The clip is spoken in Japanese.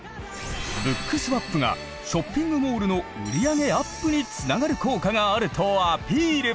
Ｂｏｏｋｓｗａｐがショッピングモールの売り上げアップにつながる効果があるとアピール！